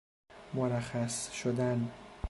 مرخص شدن